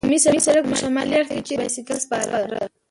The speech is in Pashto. عمومي سړک په شمالي اړخ کې، چېرې چې بایسکل سپاره.